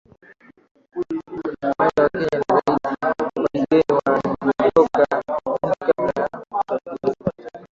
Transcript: Baadhi ya Wakenya na raia wa kigeni waondoka nchi kabla ya uchaguzi